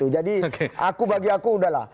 jadi bagi aku udah lah